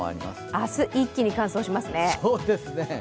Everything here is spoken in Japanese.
明日、一気に乾燥しますね。